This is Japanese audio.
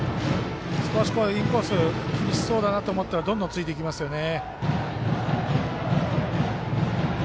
少しインコース厳しそうだなと思ったらどんどん、ついていきますよね。